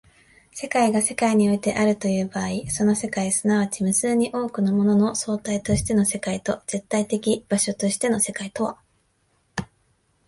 世界が世界においてあるという場合、その世界即ち無数に多くのものの総体としての世界と絶対的場所としての世界とは